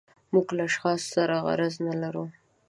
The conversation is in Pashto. موږ له اشخاصو سره غرض نه لرو.